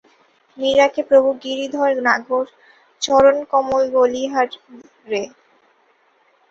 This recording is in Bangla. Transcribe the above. মীরাকে প্রভু গিরিধর নাগর, চরণকমল বলিহার রে।